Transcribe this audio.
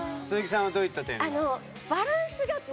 鈴木さんはどういった点が？